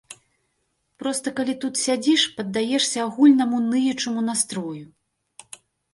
Проста калі тут сядзіш, паддаешся агульнаму ныючаму настрою.